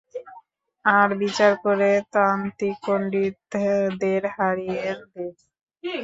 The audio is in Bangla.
আর বিচার করে তান্ত্রিক পণ্ডিতদের হারিয়ে দে।